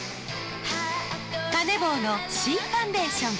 カネボウのＣファンデーション。